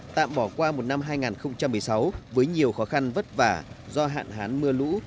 tạm bỏ qua một năm hai nghìn một mươi sáu với nhiều khó khăn vất vả do hạn hán mưa lũ